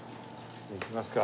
行きますか。